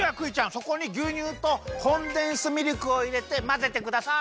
そこにぎゅうにゅうとコンデンスミルクをいれてまぜてください。